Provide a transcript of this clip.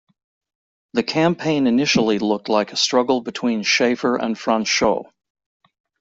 The campaign initially looked like a struggle between Schaefer and Franchot.